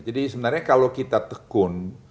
jadi sebenarnya kalau kita tekun